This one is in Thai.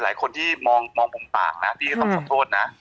หลายคนที่มองมุมต่างนะพี่ก็ต้องขอโทษนะ